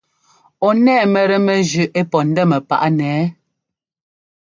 Ɔ́ nɛ́ɛ mɛ́tɛ́ mɛjʉ́ ɛ́ pɔ́ ńdɛ́mɛ páꞌ nɛ ɛ́ɛ ?